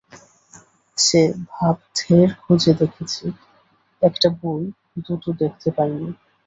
সে-ভাব ঢের খুঁজে দেখেছি, একটা বৈ দুটো দেখতে পাইনি।